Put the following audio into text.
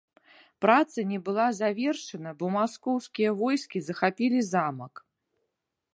Праца не была завершана, бо маскоўскія войскі захапілі замак.